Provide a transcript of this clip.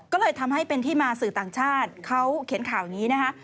ก็เลยทำให้เป็นที่มาสื่อต่างชาติเขาเขียนข่าวนี้นะคะ